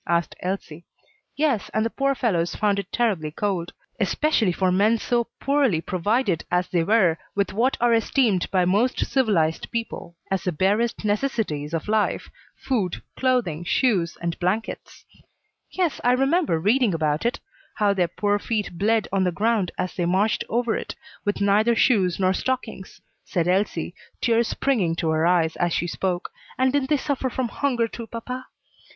asked Elsie. "Yes; and the poor fellows found it terribly cold; especially for men so poorly provided as they were with what are esteemed by most civilized people as the barest necessities of life food, clothing, shoes, and blankets." "Yes, I remember reading about it how their poor feet bled on the ground as they marched over it, with neither shoes nor stockings," said Elsie, tears springing to her eyes as she spoke. "And didn't they suffer from hunger too, papa?"